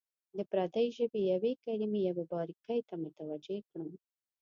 د پردۍ ژبې یوې کلمې یوې باریکۍ ته متوجه کړم.